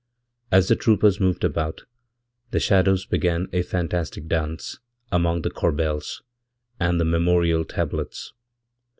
As the troopers moved about, theshadows began a fantastic dance among the corbels and the memorialtablets.